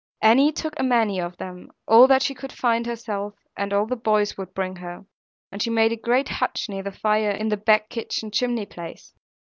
Annie took a many of them, all that she could find herself, and all the boys would bring her; and she made a great hutch near the fire, in the back kitchen chimney place.